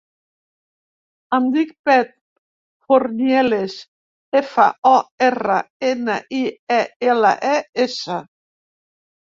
Em dic Pep Fornieles: efa, o, erra, ena, i, e, ela, e, essa.